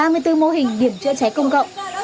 ba mươi bốn mô hình điểm chữa cháy công cộng